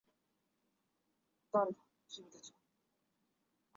你们在里面不要出来